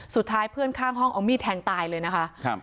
สุดท้ายเพื่อนข้างห้องเอามีดแทงตายเลยนะคะครับ